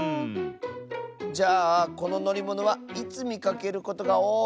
じゃあこののりものはいつみかけることがおおい？